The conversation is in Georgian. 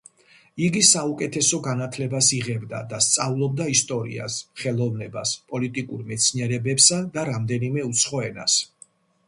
იგი საუკეთესო განათლებას იღებდა და სწავლობდა ისტორიას, ხელოვნებას, პოლიტიკურ მეცნიერებებსა და რამდენიმე უცხო ენას.